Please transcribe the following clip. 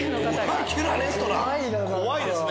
怖いですね。